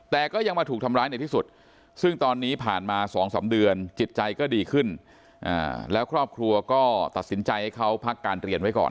แต่ก็ยังมาถูกทำร้ายในที่สุดซึ่งตอนนี้ผ่านมา๒๓เดือนจิตใจก็ดีขึ้นแล้วครอบครัวก็ตัดสินใจให้เขาพักการเรียนไว้ก่อน